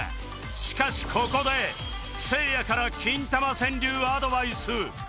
しかしここでせいやからキンタマ川柳アドバイス